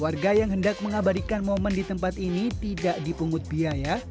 warga yang hendak mengabadikan momen di tempat ini tidak dipungut biaya